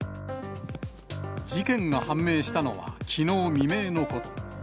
事件が判明したのはきのう未明のこと。